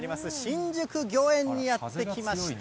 新宿御苑にやって来ました。